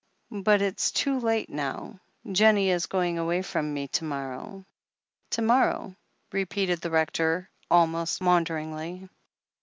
"But it's too late now. Jennie is going away from me to morrow." "To morrow," repeated the Rector almost matmder ingly.